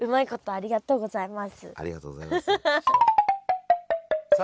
ありがとうございます。